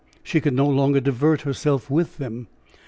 She could no longer divert herself with them.